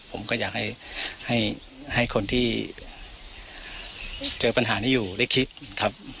ผมก็อยากให้คนที่เจอปัญหานี้อยู่ได้คิดครับ